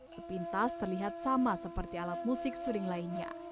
sepintas terlihat sama seperti alat musik suring lainnya